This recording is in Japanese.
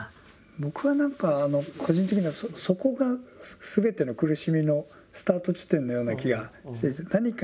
僕は何か個人的にはそこがすべての苦しみのスタート地点のような気がしていてどう思われますか？